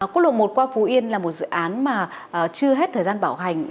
quốc lộ một qua phú yên là một dự án mà chưa hết thời gian bảo hành